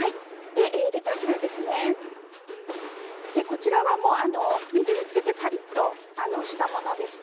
レタスは水につけてパリっとしたものですね。